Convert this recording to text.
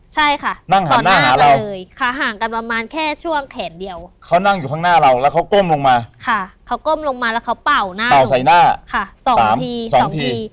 ใช่ค่ะนั่งต่อหน้ากันเลยค่ะห่างกันประมาณแค่ช่วงแขนเดียวเขานั่งอยู่ข้างหน้าเราแล้วเขาก้มลงมาค่ะเขาก้มลงมาแล้วเขาเป่าหน้าเป่าใส่หน้าค่ะสองทีสองที